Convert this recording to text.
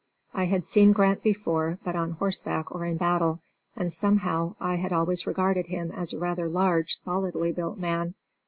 I had seen Grant before, but on horseback or in battle, and, somehow, I had always regarded him as a rather large, solidly built man.